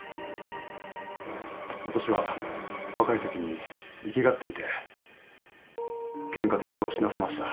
私は若いときに粋がっていてケンカで人を死なせました